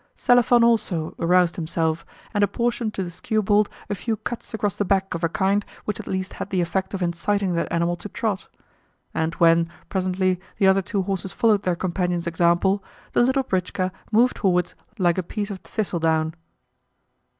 Selifan also roused himself, and apportioned to the skewbald a few cuts across the back of a kind which at least had the effect of inciting that animal to trot; and when, presently, the other two horses followed their companion's example, the light britchka moved forwards like a piece of thistledown.